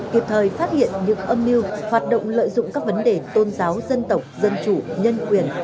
kịp thời phát hiện những âm mưu hoạt động lợi dụng các vấn đề tôn giáo dân tộc dân chủ nhân quyền